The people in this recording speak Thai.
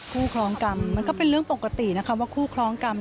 คล้องกรรมมันก็เป็นเรื่องปกตินะคะว่าคู่คล้องกรรม